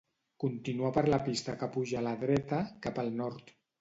Continuar per la pista que puja a la dreta, cap el nord.